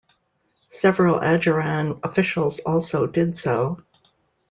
Several Adjaran officials also did so.